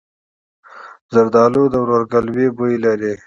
زردالو د ورورګلوۍ بوی لري.